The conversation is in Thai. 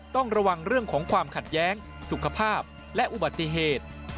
ต้องระวังเรื่องของความขัดแย้งสุขภาพและอุบัติเหตุ